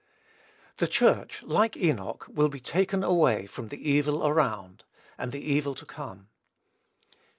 The Church, like Enoch, will be taken away from the evil around, and the evil to come.